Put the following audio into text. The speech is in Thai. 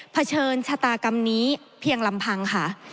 เฉินชะตากรรมนี้เพียงลำพังค่ะ